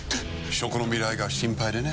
食の未来が心配でね。